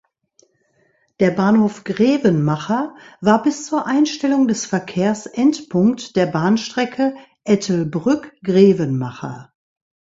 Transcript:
Der Bahnhof "Grevenmacher" war bis zur Einstellung des Verkehrs Endpunkt der Bahnstrecke Ettelbrück–Grevenmacher.